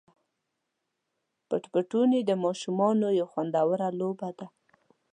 پټ پټوني د ماشومانو یوه خوندوره لوبه ده.